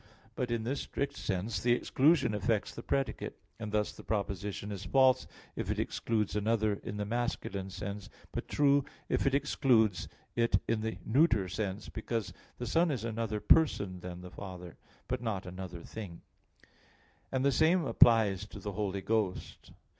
But in the strict sense the exclusion affects the predicate. And thus the proposition is false if it excludes another in the masculine sense; but true if it excludes it in the neuter sense; because the Son is another person than the Father, but not another thing; and the same applies to the Holy Ghost.